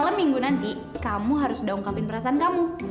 malam minggu nanti kamu harus udah ungkapin perasaan kamu